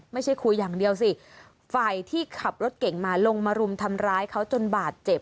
ไม่ใช่คุยอย่างเดียวสิฝ่ายที่ขับรถเก่งมาลงมารุมทำร้ายเขาจนบาดเจ็บ